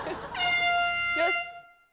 よし。